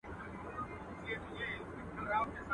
تر مور او پلار خوږې، را کښېنه که وريجي خورې.